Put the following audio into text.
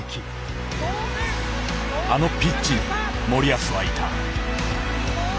あのピッチに森保はいた。